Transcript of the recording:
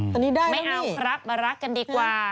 ตอนนี้ได้ไม่เอาครับมารักกันดีกว่า